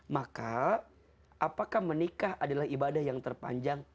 maka apakah menikah adalah ibadah yang terpanjang